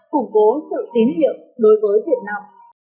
củng cố sự tín hiệu đối với việt nam